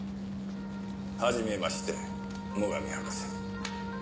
はじめまして最上博士。